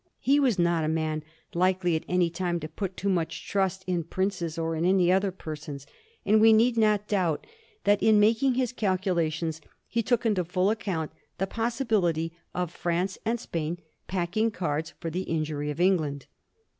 He was not a man likely at any time to put too much trust in princes or in any other persons, and we need not doubt that in making his calculations he took into full account the pos sibility of France and Spain packing cards for the injury of England.